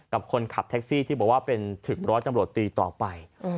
กับคนขับแท็กซี่ที่บอกว่าเป็นถึงร้อยตำรวจตีต่อไป